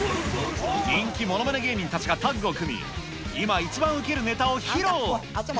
人気ものまね芸人たちがタッグを組み、今一番受けるねたを披露。